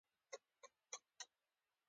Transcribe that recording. مس بارکلي: هو خلک د جګړې له آره ناخبره دي.